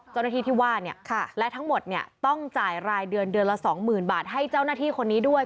เจ้าหน้าที่ที่ว่าเนี่ยและทั้งหมดเนี่ยต้องจ่ายรายเดือนเดือนละ๒๐๐๐บาทให้เจ้าหน้าที่คนนี้ด้วย